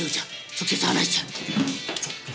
直接話しちゃえ！